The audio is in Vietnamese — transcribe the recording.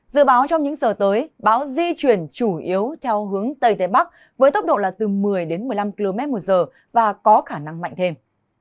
dự báo trong những giờ tới bão di chuyển chủ yếu theo hướng tây tây bắc với tốc độ là từ một mươi đến một mươi năm km một giờ và có khả năng mạnh thêm